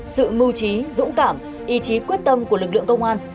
sự mưu trí dũng cảm ý chí quyết tâm của lực lượng công an